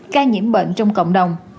ca nhiễm bệnh trong cộng đồng